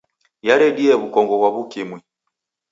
Yaredie w'ukongo ghwa W'ukimwi.